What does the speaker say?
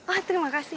oh terima kasih